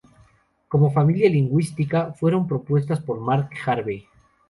Como familia lingüística fueron propuestas por Mark Harvey.